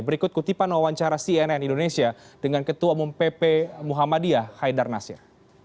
berikut kutipan wawancara cnn indonesia dengan ketua umum pp muhammadiyah haidar nasir